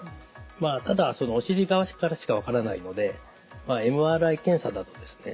ただお尻側からしか分からないのでＭＲＩ検査だとですね